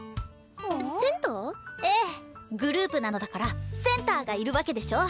ええグループなのだからセンターがいるわけでしょ？